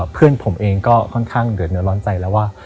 เพื่อนผมเองก็ค่อนข้างเดือดเนื้อร้อนใจแล้วว่า